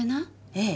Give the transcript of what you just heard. ええ。